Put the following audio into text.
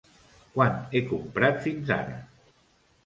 Quant he comprat fins ara?